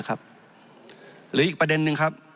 หรืออีกประเด็นนึงครับ